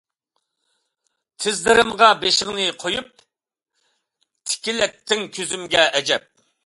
تىزلىرىمغا بېشىڭنى قويۇپ، تىكىلەتتىڭ كۆزۈمگە ئەجەب.